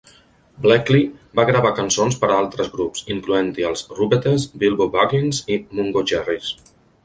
Blakley va gravar cançons per a altres grups, incloent-hi els Rubettes, Bilbo Baggins i Mungo Jerry.